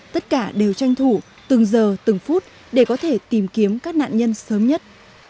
tất cả đều tranh thủ từng giờ từng phút để có thể tìm kiếm các nạn nhân sớm nhất